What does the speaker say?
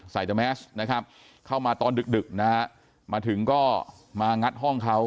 ใส่แต่แมสนะครับเข้ามาตอนดึกดึกนะฮะมาถึงก็มางัดห้องเขา